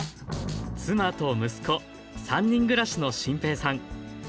妻と息子３人暮らしの心平さん。